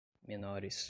menores